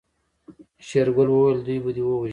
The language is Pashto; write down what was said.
شېرګل وويل دوی به دې ووژني.